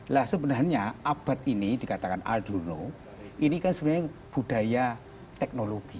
lah sebenarnya abad ini dikatakan alduno ini kan sebenarnya budaya teknologi